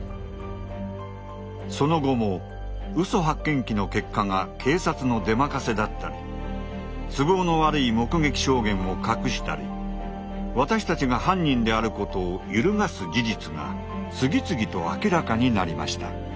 その後も嘘発見器の結果が警察の出任せだったり都合の悪い目撃証言を隠したり私たちが犯人であることを揺るがす事実が次々と明らかになりました。